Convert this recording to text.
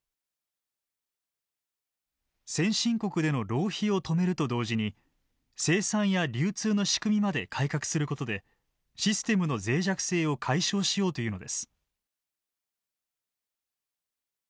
先進国での浪費を止めると同時に生産や流通の仕組みまで改革することでシステムの脆弱性を解消しようというのです。